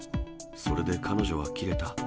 それで彼女はきれた。